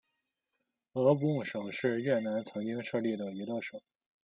鹅贡省是越南曾经设立的一个省。